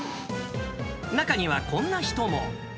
中には、こんな人も。